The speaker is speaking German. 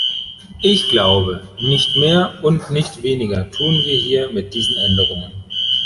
Ich glaube, nicht mehr und nicht weniger tun wir hier mit diesen Änderungen.